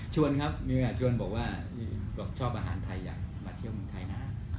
ครับเมียชวนบอกว่าชอบอาหารไทยอยากมาเที่ยวเมืองไทยนะ